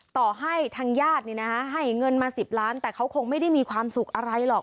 ต่อให้ทางญาติให้เงินมา๑๐ล้านแต่เขาคงไม่ได้มีความสุขอะไรหรอก